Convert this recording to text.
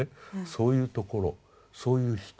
そういうところそういう人。